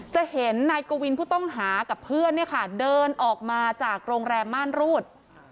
จะเห็นนายกวินผู้ต้องหากับเพื่อนเนี่ยค่ะเดินออกมาจากโรงแรมม่านรูด